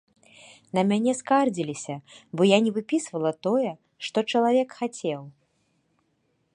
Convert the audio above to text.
На мяне скардзіліся, бо я не выпісвала тое, што чалавек хацеў.